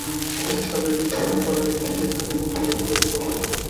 ইহাই স্বাভাবিক সাধনপ্রণালী, কিন্তু ইহাতে অতি মৃদু গতিতে অগ্রসর হইতে হয়।